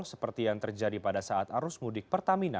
seperti yang terjadi pada saat arus mudik pertamina